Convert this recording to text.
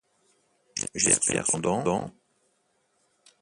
J'espère cependant.